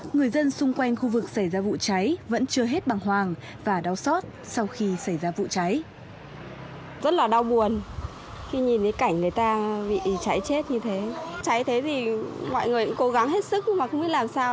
người dân xung quanh khu vực xảy ra vụ cháy vẫn chưa hết bằng hoàng và đau xót sau khi xảy ra vụ cháy